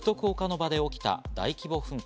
場で起きた大規模噴火。